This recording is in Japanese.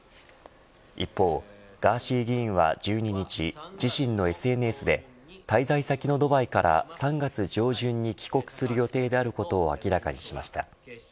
一方、ガーシー議員は１２日自身のＳＮＳで滞在先のドバイから３月上旬に帰国する予定であることを明らかにしました。